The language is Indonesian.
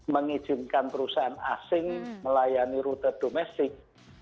mengizinkan perusahaan asing melayani rute domestik